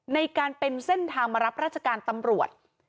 ในการเป็นเส้นทางมารับราชการตำรวจ